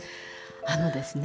あのですね